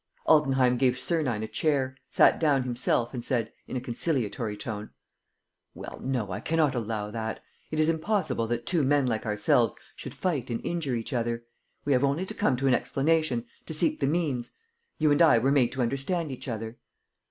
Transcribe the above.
Altenheim gave Sernine a chair, sat down himself and said, in a conciliatory tone: "Well, no, I cannot allow that. It is impossible that two men like ourselves should fight and injure each other. We have only to come to an explanation, to seek the means: you and I were made to understand each other."